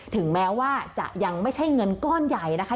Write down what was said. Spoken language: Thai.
ถึงแม้ว่าจะยังไม่ใช่เงินก้อนใหญ่นะคะ